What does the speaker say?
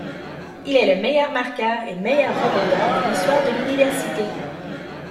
Il est le meilleur marqueur et meilleur rebondeur de l'histoire de l'université.